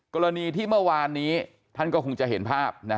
กรณีที่เมื่อวานนี้ท่านก็คงจะเห็นภาพ